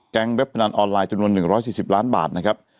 แกรงแบบนานออนไลน์จนวน๑๔๐ล้านบาทนะครับ